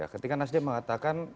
ketika nasdem mengatakan